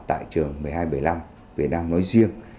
tại trường một mươi hai trăm bảy mươi năm việt nam nói riêng